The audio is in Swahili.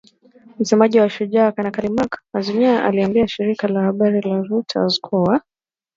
Msemaji wa Shujaa, Kanali Mak Hazukay aliliambia shirika la habari la reuters kuwa.